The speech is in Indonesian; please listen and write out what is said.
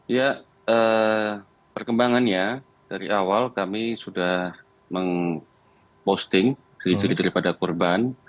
ya perkembangannya dari awal kami sudah memposting cilik diri daripada korban